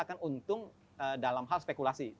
akan untung dalam hal spekulasi